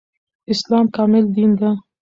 اسلام کامل دين ده